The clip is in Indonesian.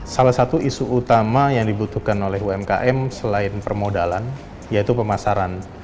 salah satu isu utama yang dibutuhkan oleh umkm selain permodalan yaitu pemasaran